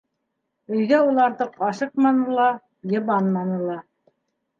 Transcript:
Өйҙә ул артыҡ ашыҡманы ла, йыбанманы ла.